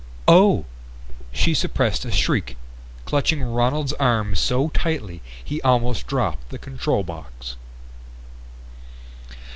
"Oh!" She suppressed a shriek, clutching Ronald's arm so tightly he almost dropped the control box.